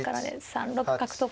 ３六角とか。